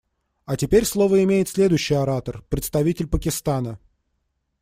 А теперь слово имеет следующий оратор − представитель Пакистана.